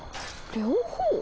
両方？